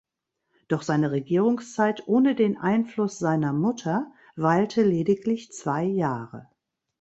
Doch seine Regierungszeit ohne den Einfluss seiner Mutter, weilte lediglich zwei Jahre.